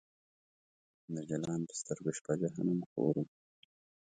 د جلان په سترګو شپه جهنم خور و